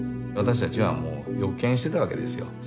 私たちはもう予見してたわけですよ。